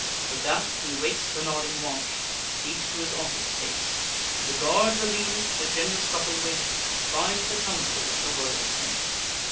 With that, he wakes The nodding watch; each to his office takes. The guard reliev'd, the gen'rous couple went To find the council at the royal tent.